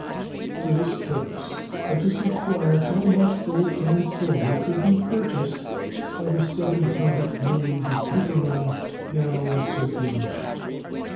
For this purpose let us inquire how much gold and silver could be purchased by the seven hundred millions of paper money now in circulation.